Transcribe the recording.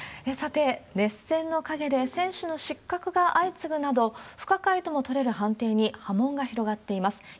さて、熱戦の陰で選手の失格が相次ぐなど、不可解とも取れる判定に波紋が広がっています。